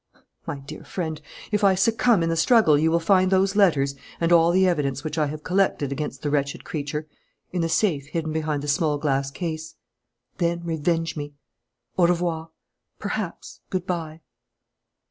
"My dear friend, if I succumb in the struggle you will find those letters (and all the evidence which I have collected against the wretched creature) in the safe hidden behind the small glass case: Then revenge me. Au revoir. Perhaps good bye."